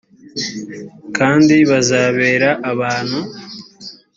kandi bazabera abantu